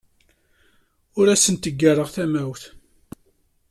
Ur asent-ggareɣ tamawt.